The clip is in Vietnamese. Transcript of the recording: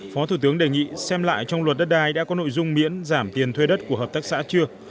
phó thủ tướng đề nghị xem lại trong luật đất đai đã có nội dung miễn giảm tiền thuê đất của hợp tác xã chưa